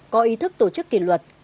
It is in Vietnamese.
có ý thức tổ chức kỷ luật